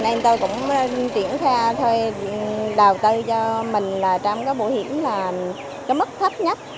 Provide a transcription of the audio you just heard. nên tôi cũng tiễn ra thuê đào tư cho mình là trong cái bảo hiểm là cái mức thấp nhất